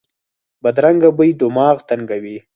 بدرنګه بوی دماغ تنګوي